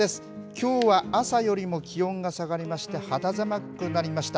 きょうは朝よりも気温が下がりまして、肌寒くなりました。